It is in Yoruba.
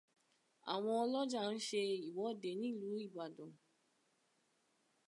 Àwọn ọlọ́jà ń ṣe ìwọ́de nílùú Ìbàdàn.